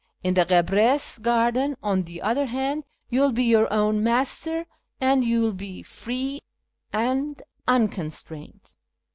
In the guebres' garden, on the other hand, you will be your own master, and will be free and unconstrained.